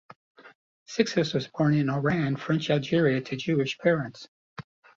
Cixous was born in Oran, French Algeria to Jewish parents.